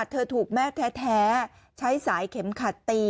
ถูกแม่แท้ใช้สายเข็มขัดตี